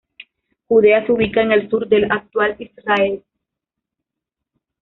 Judea se ubica en el sur del actual Israel.